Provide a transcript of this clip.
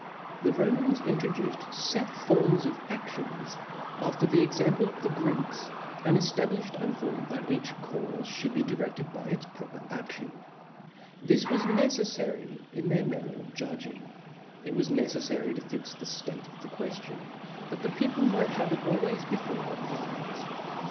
The Romans introduced fet forms of anions fi after the example of the Greeks, and eftabliflied a rule, that each caufe Ihould be direded by its pro per adion. This was neceffary in their manner of . judging •, it was neceffary to fix the ftate of the queftion, that the people might have it always before their eyes.